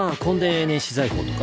永年私財法とか？